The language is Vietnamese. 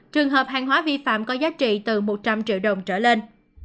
trường hợp hàng hóa vi phạm có giá trị từ một trăm linh triệu đồng trở lên